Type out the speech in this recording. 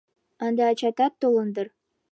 Ынде ачатат толын дыр.